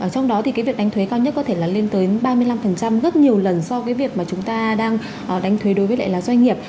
trong đó thì cái việc đánh thuế cao nhất có thể là lên tới ba mươi năm rất nhiều lần so với việc mà chúng ta đang đánh thuế đối với lại là doanh nghiệp